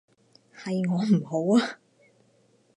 係我唔好啊